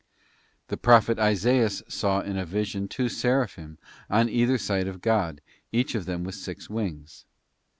The prophet Isaias saw in a vision two seraphim on either side of God, each of them with six wings.